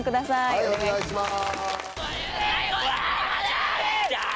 はいお願いします。